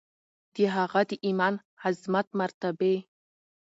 د هغه د ایمان، عظمت، مرتبې